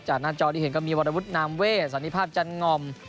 หน้าจอที่เห็นก็มีวรวุฒินามเว่สันติภาพจันงอม